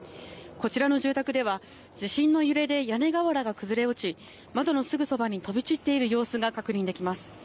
こちらの住宅では、地震の揺れで屋根瓦が崩れ落ち、窓のすぐそばに飛び散っている様子が確認できます。